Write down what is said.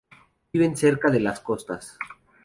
Viven cerca de las costas.